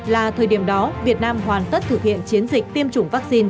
là thời điểm đó việt nam hoàn tất thực hiện chiến dịch tiêm chủng vắc xin